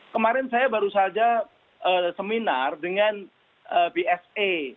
kemarin saya baru saja seminar dengan bsa